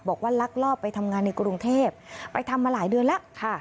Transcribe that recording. ลักลอบไปทำงานในกรุงเทพไปทำมาหลายเดือนแล้วค่ะ